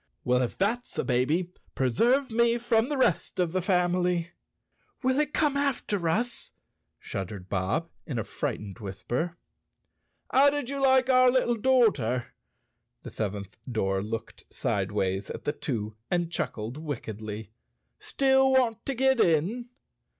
"Well, if that's the baby, preserve me from the rest of the family!" "Will it come after us?" shuddered Bob, in a fright¬ ened whisper. "How did you like our little doorter?" The seventh door looked sideways at the two and chuckled wick¬ edly. "Still want to get in?"